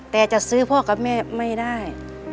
แต่จะซื้อพ่อกับแม่ไม่ได้